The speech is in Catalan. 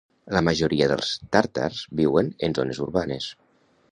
La majoria dels tàrtars viuen en zones urbanes.